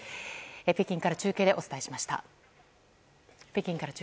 北京から中継でお伝えしました。